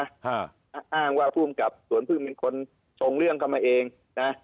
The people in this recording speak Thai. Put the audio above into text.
ฮ่าอ้างว่าผู้กองประดิษฐ์สวนพึ่งเป็นคนทงเรื่องเข้ามาเองน่ะ